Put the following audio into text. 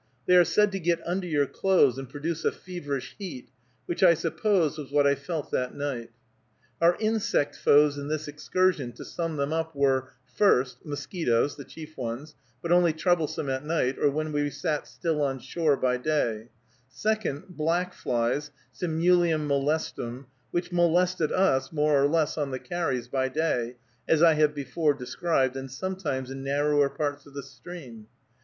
They are said to get under your clothes, and produce a feverish heat, which I suppose was what I felt that night. Our insect foes in this excursion, to sum them up, were, first, mosquitoes, the chief ones, but only troublesome at night, or when we sat still on shore by day; second, black flies (Simulium molestum), which molested us more or less on the carries by day, as I have before described, and sometimes in narrower parts of the stream.